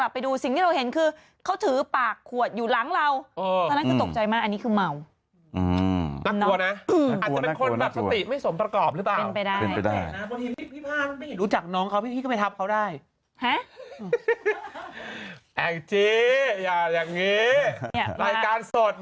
พูดเล่นหย่อกันรู้จักกันหย่อกัน